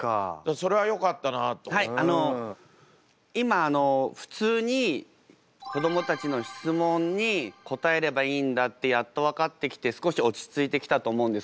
はいあの今普通に子どもたちの質問に答えればいいんだってやっと分かってきて少し落ち着いてきたと思うんですけど。